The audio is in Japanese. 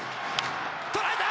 捉えた！